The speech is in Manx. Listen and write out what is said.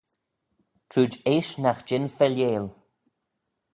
Trooid eash nagh jean failleil.